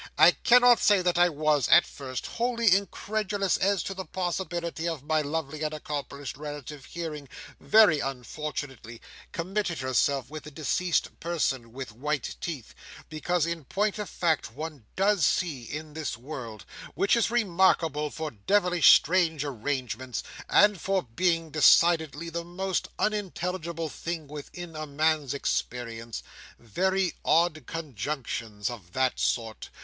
I cannot say that I was, at first, wholly incredulous as to the possibility of my lovely and accomplished relative having, very unfortunately, committed herself with the deceased person with white teeth; because in point of fact, one does see, in this world—which is remarkable for devilish strange arrangements, and for being decidedly the most unintelligible thing within a man's experience—very odd conjunctions of that sort.